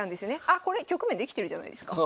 あっこれ局面できてるじゃないですか。